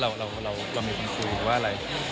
เรามีคนคุยว่าอะไร